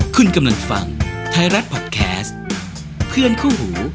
คุณกำลังฟังไทยรัฐพอดแคสต์เพื่อนคู่หู